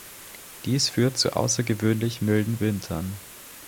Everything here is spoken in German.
Dies führt zu außergewöhnlich milden Wintern.